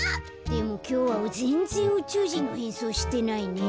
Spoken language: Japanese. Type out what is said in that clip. でもきょうはぜんぜんうちゅうじんのへんそうしてないね。